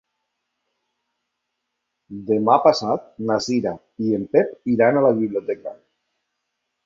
Demà passat na Cira i en Pep iran a la biblioteca.